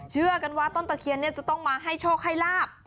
เชื่อกันต้นตะเขียต้องมาให้โชคให้ลาบ